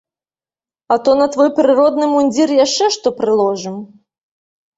А то на твой прыродны мундзір яшчэ што прыложым.